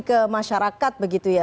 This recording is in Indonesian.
ke masyarakat begitu ya